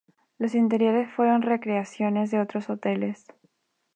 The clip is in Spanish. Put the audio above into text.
Los interiores fueron recreaciones de otros hoteles.